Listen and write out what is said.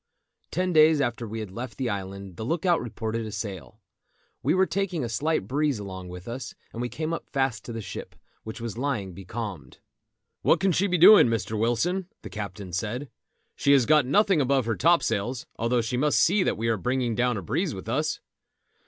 Ten days after we had left the island the look out reported a sail. We were taking a slight breeze along with us, and we came up fast to the ship, which was lying becalmed. "What can she be doing, Mr. Wilson?" the captain said. "She has got nothing above her topsails, although she must see that we are bringing down a breeze with us."